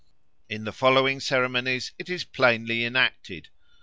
In the following ceremonies it is plainly enacted.